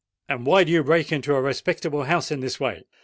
and why do you break into a respectable house in this way?